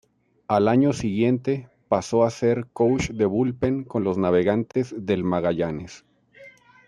Al año siguiente, pasó a ser coach de bullpen con los Navegantes del Magallanes.